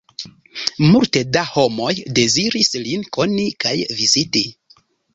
Multe da homoj deziris lin koni kaj viziti.